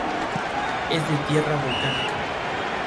Es de tierra volcánica.